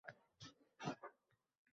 Yo oʻz bobongdan yashirasanmi?